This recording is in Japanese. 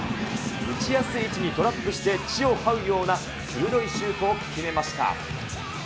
打ちやすい位置にトラップして、地を這うような鋭いシュートを決めました。